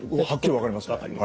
分かります。